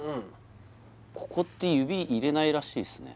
ここって指入れないらしいっすね